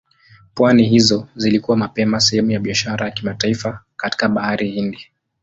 Pwani hizo zilikuwa mapema sehemu ya biashara ya kimataifa katika Bahari Hindi.